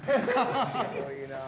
すごいなあ。